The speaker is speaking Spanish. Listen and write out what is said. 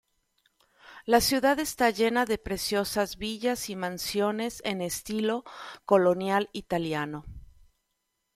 La ciudad está llena de preciosas villas y mansiones en estilo "colonial italiano".